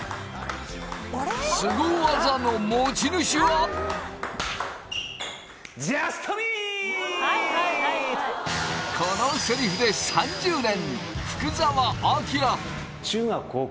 すご技の持ち主はこのセリフで３０年福澤朗